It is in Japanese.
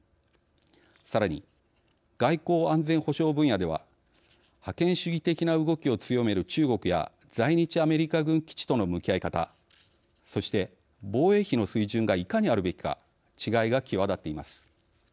さらに外交・安全保障分野では覇権主義的な動きを強める中国や在日アメリカ軍基地との向き合い方そして防衛費の水準がいかにあるべきか違いが際立っています。